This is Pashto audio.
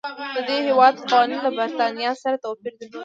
د دې هېواد قوانینو له برېټانیا سره توپیر درلود.